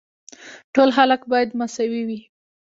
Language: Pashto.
ټول خلک باید مساوي وي.